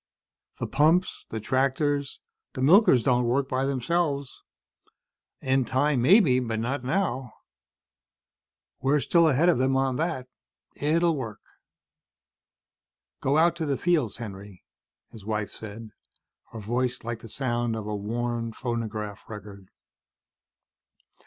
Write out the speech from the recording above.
The pumps, the tractors, the milkers don't work by themselves. In time, maybe. Not now. We're still ahead of them on that. It'll work." "Go out to the fields, Henry," his wife said, her voice like the sound of a worn phonograph record.